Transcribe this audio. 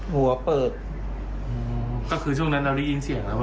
หัวเปิดก็คือช่วงนั้นเราได้ยินเสียงแล้ว